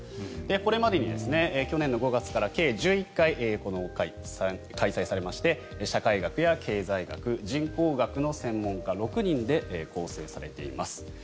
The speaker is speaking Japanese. これまでに去年の５月から計１１回この会が開催されまして社会学や経済学人口学の専門家６人で構成されています。